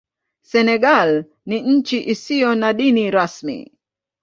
Senegal ni nchi isiyo na dini rasmi.